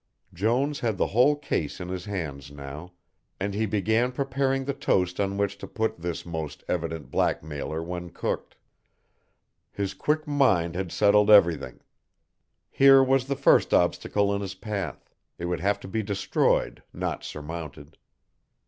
Jones had the whole case in his hands now, and he began preparing the toast on which to put this most evident blackmailer when cooked. His quick mind had settled everything. Here was the first obstacle in his path, it would have to be destroyed, not surmounted.